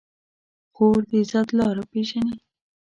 خور د عزت لاره پېژني.